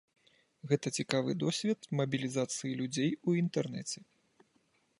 Гэта цікавы досвед мабілізацыі людзей у інтэрнэце.